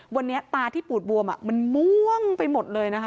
วันนี้ตาที่ปูดบวมมันม่วงไปหมดเลยนะคะ